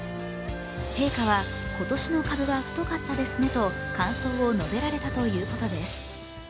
陛下は今年の株は太かったですねと感想を述べられたということです。